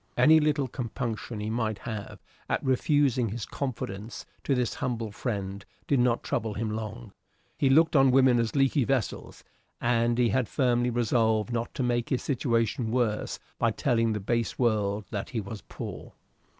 Any little compunction he might have at refusing his confidence to this humble friend did not trouble him long. He looked on women as leaky vessels; and he had firmly resolved not to make his situation worse by telling the base world that he was poor.